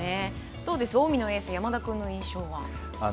近江のエース山田君の印象は？